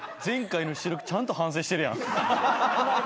前回の収録ちゃんと反省してるやん。